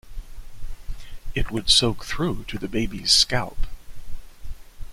It would soak through to the baby’s scalp.